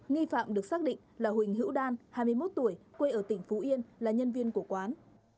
nghi phạm được xác định là huỳnh hữu đan hai mươi một tuổi quê ở tỉnh phú yên là nhân viên của quán